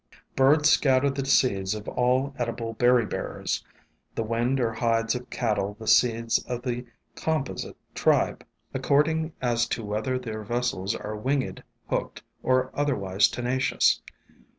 Birds scatter the seeds of all edible berry bearers; the wind or hides of cattle the seeds of the com posite tribe, according as to whether their vessels 82 ESCAPED FROM GARDENS are winged, hooked, or otherwise tenacious.